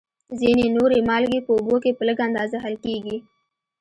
ځینې نورې مالګې په اوبو کې په لږ اندازه حل کیږي.